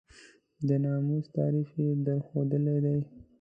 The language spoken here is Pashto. د ناموس تعریف یې درښودلی دی.